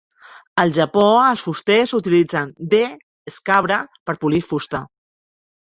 Al Japó els fusters utilitzen "D. scabra" per polir fusta.